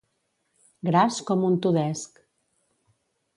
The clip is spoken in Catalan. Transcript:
Gras com un tudesc.